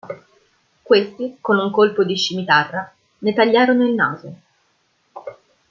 Questi, con un colpo di scimitarra, ne tagliarono il naso.